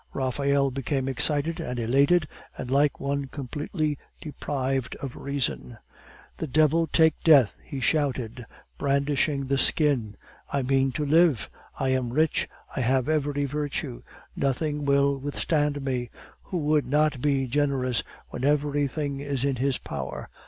Raphael became excited and elated and like one completely deprived of reason. "The devil take death!" he shouted, brandishing the skin; "I mean to live! I am rich, I have every virtue; nothing will withstand me. Who would not be generous, when everything is in his power?